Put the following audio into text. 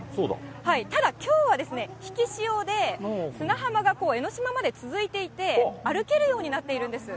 ただきょうは、引き潮で、砂浜が江の島まで続いていて、歩けるようになっているんです。